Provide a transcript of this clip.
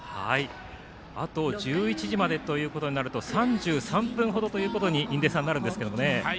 あと１１時までということになると３３分ほどということになるんですけどね。